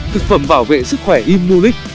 thực phẩm bảo vệ sức khỏe imulit